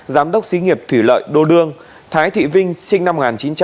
giám đốc xí nghiệp thủy lợi đô lương thái thị vinh sinh năm một nghìn chín trăm bảy mươi một